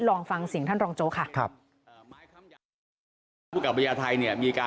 ลองฟังเสียงท่านรองโจ๊กค่ะ